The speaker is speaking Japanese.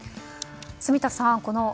住田さん